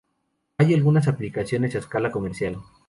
Hay algunas aplicaciones a escala comercial.